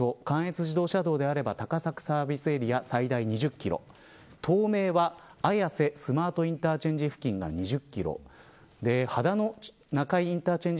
関越自動車道あれば高坂サービスエリアで２０キロ東名は綾瀬スマートインターチェンジ付近が２０キロ秦野中井インターチェンジ